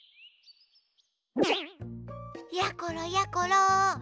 やころやころ！